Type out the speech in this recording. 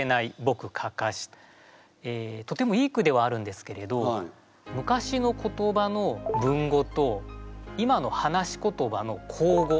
とてもいい句ではあるんですけれど昔の言葉の文語と今の話し言葉の口語。